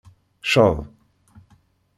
Cceḍ.